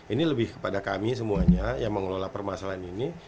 ini lebih kepada kami semuanya yang mengelola permasalahan ini